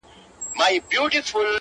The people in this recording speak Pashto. • بابولاره وروره راسه تې لار باسه،